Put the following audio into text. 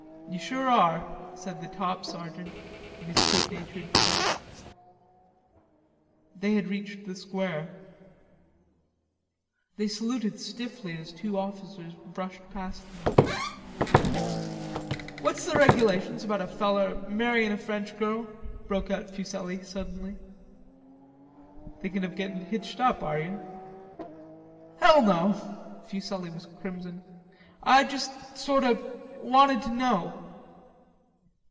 "You sure are," said the top sergeant in his good natured voice. They had reached the square. They saluted stiffly as two officers brushed past them. "What's the regulations about a feller marryin' a French girl?" broke out Fuselli suddenly. "Thinking of getting hitched up, are you?" "Hell, no." Fuselli was crimson. "I just sort o' wanted to know."